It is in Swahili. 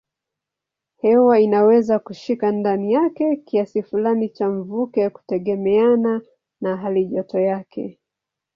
Hewa inaweza kushika ndani yake kiasi fulani cha mvuke kutegemeana na halijoto yake.